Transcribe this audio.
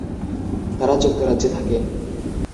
তারা যুক্তরাজ্যে থাকেন।